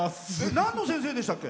なんの先生でしたっけ？